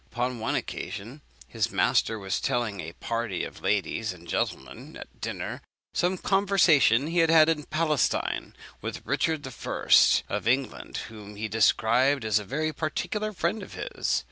Upon one occasion, his master was telling a party of ladies and gentlemen, at dinner, some conversation he had had in Palestine with King Richard I. of England, whom he described as a very particular friend of his.